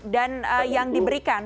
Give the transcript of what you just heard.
dan yang diberikan